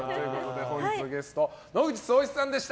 本日のゲスト野口聡一さんでした。